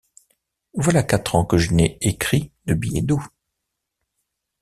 Voilà quatre ans que je n’ai écrit de billets doux!...